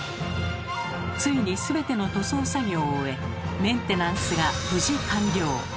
ついに全ての塗装作業を終えメンテナンスが無事完了。